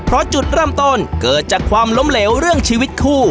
เพราะจุดเริ่มต้นเกิดจากความล้มเหลวเรื่องชีวิตคู่